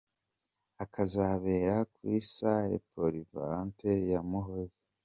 akazabera kuri Salle Polyvalente ya Muhoza.